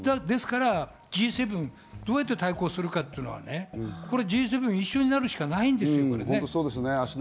ですからＧ７、どうやって対抗するかっていうのは、Ｇ７が一緒になるしかないんですよ。